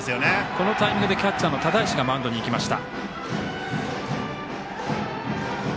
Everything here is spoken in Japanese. このタイミングでキャッチャーの只石がマウンドに行きました。